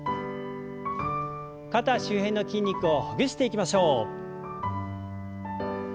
肩周辺の筋肉をほぐしていきましょう。